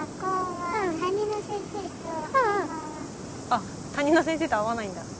あっ担任の先生と合わないんだ。